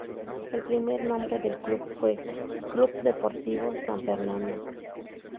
El primer nombre del club fue Club Deportivo San Fernando.